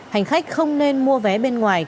hành khách không nên mua vé bên ngoài